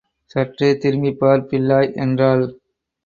சற்றே திரும்பிப் பார் பிள்ளாய் என்றாள்.